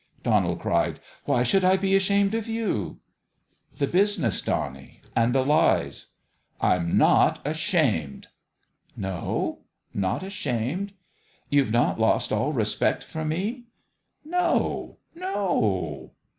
Donald cried. "Why should I be ashamed of you ?"" The business, Donnie and the lies.' 7 " I'm not ashamed !"" No ? Not ashamed ? You've not lost all respect for me ?"" No, no